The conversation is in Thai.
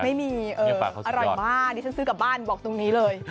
ไม่มีอร่อยมากดิฉันซื้อกลับบ้านบอกตรงนี้เลย